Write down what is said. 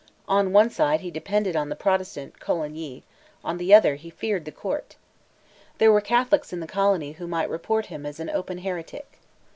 On one side he depended on the Protestant, Coligny; on the other, he feared the Court. There were Catholics in the colony who might report him as an open heretic.